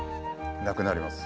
なくなります。